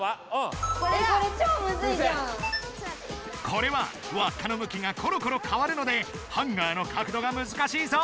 これはわっかのむきがころころかわるのでハンガーの角度がむずかしいぞ。